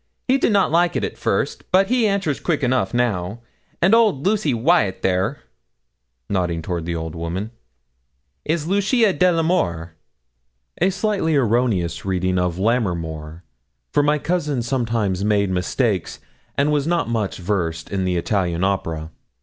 He did not like it first, but he answers quick enough now; and Old Lucy Wyat there,' nodding toward the old woman, 'is Lucia de l'Amour.' A slightly erroneous reading of Lammermoor, for my cousin sometimes made mistakes, and was not much versed in the Italian opera.